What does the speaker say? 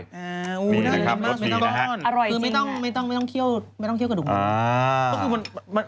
อร่อยจริงคือไม่ต้องเคี่ยวกระดูกมือ